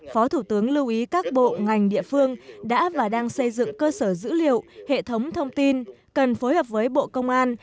phó thủ tướng lưu ý các bộ ngành địa phương đã và đang xây dựng cơ sở dữ liệu hệ thống thông tin cần phối hợp với bộ công an